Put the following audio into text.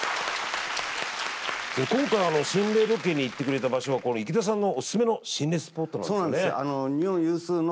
今回あの心霊ロケに行ってくれた場所は池田さんのおすすめの心霊スポットなんですよね？